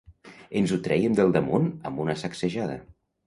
Ens ho trèiem del damunt amb una sacsejada.